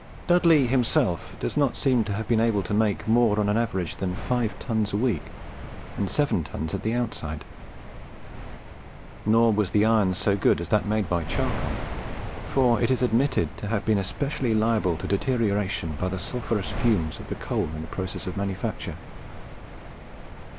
Dudley himself does not seem to have been able to make more on an average than five tons a week, and seven tons at the outside. Nor was the iron so good as that made by charcoal; for it is admitted to have been especially liable to deterioration by the sulphureous fumes of the coal in the process of manufacture.